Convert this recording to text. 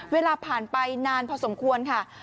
เวลาผ่านไปนานพอสมควรค่ะ